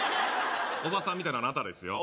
おばさんみたいのあなたですよ